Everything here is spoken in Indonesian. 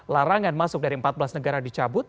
larangan masuk dari empat belas negara dicabut